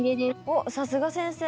おっさすが先生。